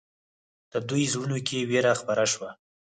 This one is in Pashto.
د دوی زړونو کې وېره خپره شوه.